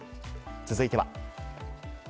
続いては。